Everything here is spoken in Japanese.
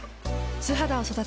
素肌を育てる。